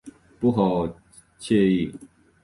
好不惬意